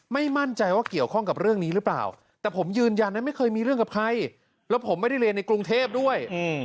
มั่นใจว่าเกี่ยวข้องกับเรื่องนี้หรือเปล่าแต่ผมยืนยันนะไม่เคยมีเรื่องกับใครแล้วผมไม่ได้เรียนในกรุงเทพด้วย